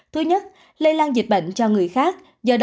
thứ nhất lây lan dịch bệnh cho người khác